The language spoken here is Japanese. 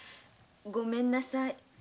ごめんなさい。